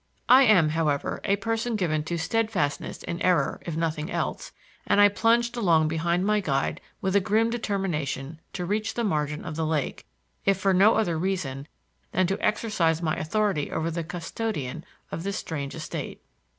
I am, however, a person given to steadfastness in error, if nothing else, and I plunged along behind my guide with a grim determination to reach the margin of the lake, if for no other reason than to exercise my authority over the custodian of this strange estate.